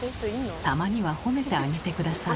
たまには褒めてあげて下さい。